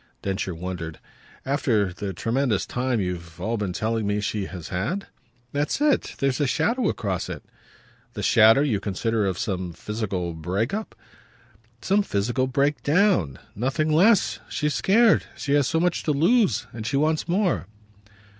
Densher wondered. "After the tremendous time you've all been telling me she has had?" "That's it. There's a shadow across it." "The shadow, you consider, of some physical break up?" "Some physical break down. Nothing less. She's scared. She has so much to lose. And she wants more."